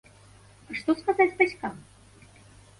А што сказаць бацькам?